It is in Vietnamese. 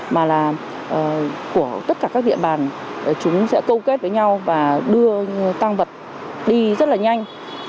mà là của tất cả các địa bàn chúng sẽ câu kết với nhau và đưa tăng vật đi rất là nhanh